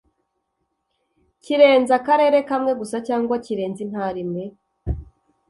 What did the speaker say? kirenze akarere kamwe gusa cyangwa kirenze intara imwe